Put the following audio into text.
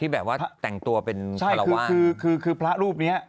เป็นยังไง